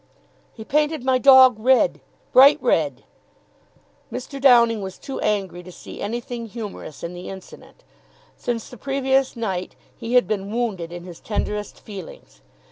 "He painted my dog red bright red." Mr. Downing was too angry to see anything humorous in the incident. Since the previous night he had been wounded in his tenderest feelings.